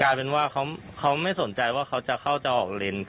เป็นว่าเขาไม่สนใจว่าเขาจะเข้าจะออกเลน